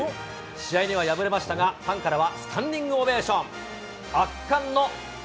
試合には敗れましたが、ファンからはスタンディングオベーション。